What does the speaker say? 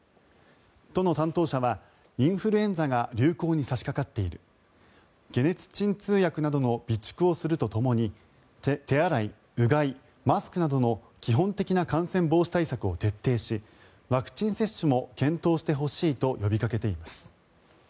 都の担当者は、インフルエンザが流行に差しかかっている解熱鎮痛薬などの備蓄をするとともに手洗い、うがい、マスクなどの基本的な感染防止対策を徹底しワクチン接種も検討してほしいと呼びかけています。